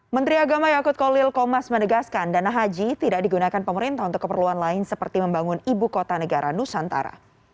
menteri agama yakut kolil komas menegaskan dana haji tidak digunakan pemerintah untuk keperluan lain seperti membangun ibu kota negara nusantara